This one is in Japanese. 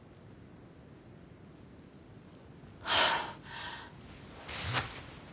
はあ。